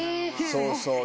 そうそう。